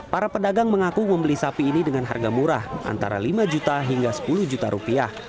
para pedagang mengaku membeli sapi ini dengan harga murah antara lima juta hingga sepuluh juta rupiah